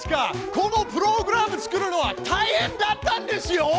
このプログラム作るのはたいへんだったんですよ！